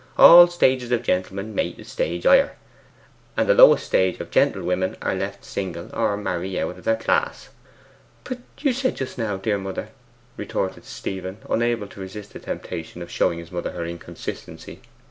All stages of gentlemen mate a stage higher; and the lowest stage of gentlewomen are left single, or marry out of their class.' 'But you said just now, dear mother ' retorted Stephen, unable to resist the temptation of showing his mother her inconsistency.